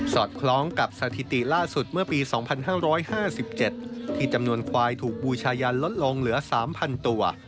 อดคล้องกับสถิติล่าสุดเมื่อปี๒๕๕๗ที่จำนวนควายถูกบูชายันลดลงเหลือ๓๐๐ตัว